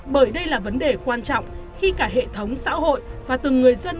bởi đây là vấn đề quan trọng khi cả hệ thống xã hội và từng người dân